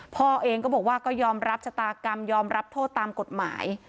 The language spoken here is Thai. พ่อเองก็บอกว่าก็ยอมรับชะตากรรมยอมรับโทษตามกฎหมาย